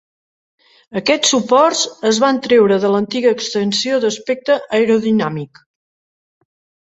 Aquests suports es van treure de l'antiga extensió d'aspecte aerodinàmic.